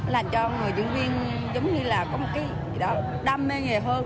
làm cho người diễn viên giống như là có một cái đam mê nghề hơn